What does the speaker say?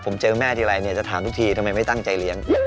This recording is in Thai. ผมเจอแม่ทีไรเนี่ยจะถามทุกทีทำไมไม่ตั้งใจเลี้ยง